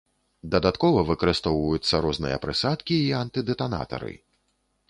Дадаткова выкарыстоўваюцца розныя прысадкі і антыдэтанатары.